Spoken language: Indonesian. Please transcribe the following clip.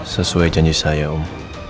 sesuai janji saya om